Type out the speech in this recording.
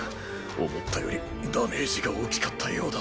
思ったよりダメージが大きかったようだ。